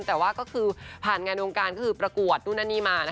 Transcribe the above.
แต่ว่าก็คือผ่านงานโวงการปรากวดตรงนั้นมานะคะ